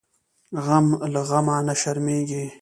غم له غمه نه شرمیږي .